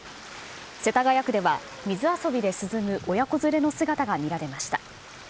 世田谷区では水遊びで涼む親子連れの姿が見られました。